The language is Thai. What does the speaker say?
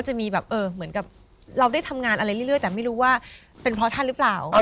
จะมีแบบเหมือนกับเราได้ทำงานอะไรเรื่อยแต่ไม่รู้ว่าเป็นเพราะท่านหรือเปล่า